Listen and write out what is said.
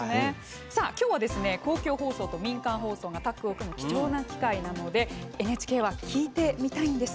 今日は公共放送とタッグを組む、貴重な機会なのでＮＨＫは聞いてみたいんです。